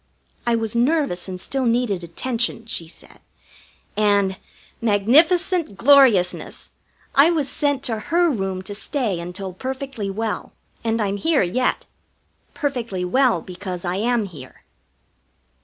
I was nervous and still needed attention, she said, and magnificent gloriousness! I was sent to her room to stay until perfectly well, and I'm here yet. Perfectly well because I am here!